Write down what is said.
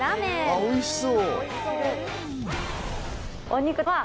おいしそう。